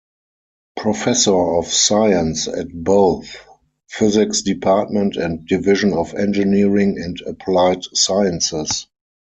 Professor of Science, at both Physics Department and Division of Engineering and Applied Sciences.